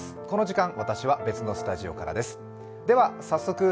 この時間、私は別のスタジオからです。